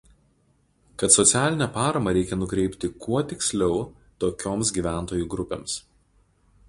kad socialinę paramą reikia nukreipti kuo tiksliau tokioms gyventojų grupėms